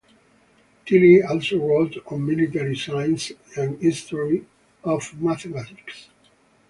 Tilly also wrote on military science and history of mathematics.